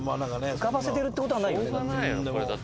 浮かばせてるって事はないよね。